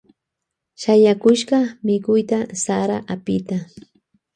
Shayakushka mikuyta sara apita.